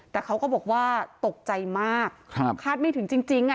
แต่เขาก็บอกว่าตกใจมากคาดไม่ถึงจริงอ่ะ